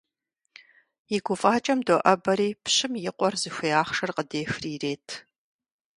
И гуфӀакӀэм доӀэбэри, пщым и къуэр зыхуей ахъшэр къыдехри ирет.